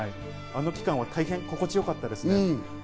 あの期間は大変心地よかったですね。